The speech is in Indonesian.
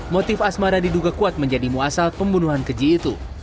motif asmara diduga kuat menjadi muasal pembunuhan keji itu